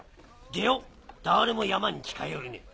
でよだれも山に近寄れねえ。